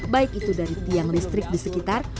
baik itu dari tiang listrik di sekitar